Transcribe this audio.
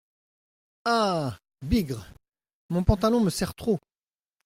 Ah ! bigre !… mon pantalon me serre trop.